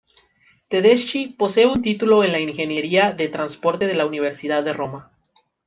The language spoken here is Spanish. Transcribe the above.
Tedeschi posee un título en Ingeniería de Transporte de la Universidad de Roma.